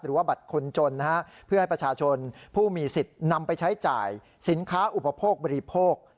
หรือว่าบัตรคนจนนะฮะเพื่อให้ประชาชนผู้มีสิทธิ์นำไปใช้จ่ายสินค้าอุปโภคบริโภค